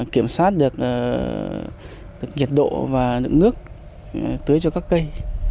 kiểm soát được nhiệt độ và lượng nước tưới cho các cây